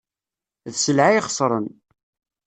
D sselɛa ixesren.